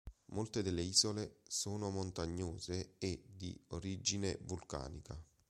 Molte delle isole sono montagnose e di origine vulcanica.